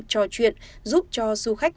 cho chuyện giúp cho du khách